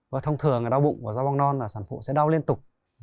và thông thường đau bụng của giao bong non là sản phụ sẽ đau liên tục